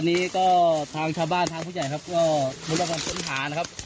นี่ค่ะช่วงนี้เจอหลุมล่ะนะฮะปากหลุมก็ดูผิดปกติ